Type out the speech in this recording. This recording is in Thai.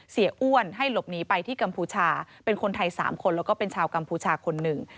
อ้วนให้หลบหนีไปที่กัมพูชาเป็นคนไทย๓คนแล้วก็เป็นชาวกัมพูชาคนหนึ่ง